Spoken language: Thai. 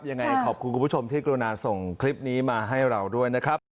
ยังไงขอบคุณคุณผู้ชมที่กรุณาส่งคลิปนี้มาให้เราด้วยนะครับ